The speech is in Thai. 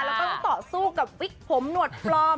แล้วก็ต้องต่อสู้กับวิกผมหนวดปลอม